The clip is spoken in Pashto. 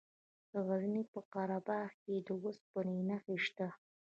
د غزني په قره باغ کې د اوسپنې نښې شته.